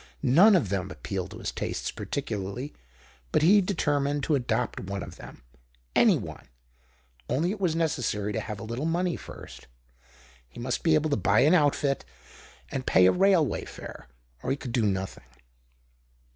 None of them appealed to his tastes particularl}^ but he determined to adopt one of them — any one ; only it was necessary to have a little money first : he must be able to buy an outfit and pay a railway fare, or he could do nothing.